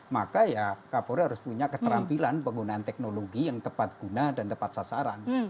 maka ya kapolri harus punya keterampilan penggunaan teknologi yang tepat guna dan tepat sasaran